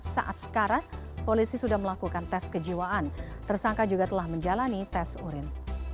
saat sekarang polisi sudah melakukan tes kejiwaan tersangka juga telah menjalani tes urin